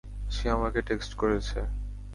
সে আমাকে টেক্সট করেছে।